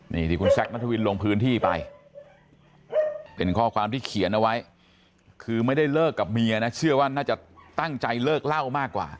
นี่ที่คุณแซคนัทวินลงพื้นที่ไปเป็นข้อความที่เขียนเอาไว้คือไม่ได้เลิกกับเมียนะเชื่อว่าน่าจะตั้งใจเลิกเล่ามากกว่า